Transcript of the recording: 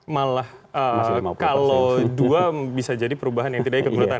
malah kalau dua bisa jadi perubahan yang tidak kebenotan